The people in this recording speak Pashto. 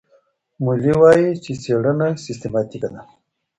مولي وايي چي څېړنه سیستماتیکه ده.